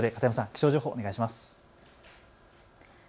気象情報、お願いします。